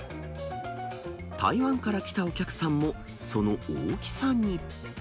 台湾から来たお客さんもその大きさに。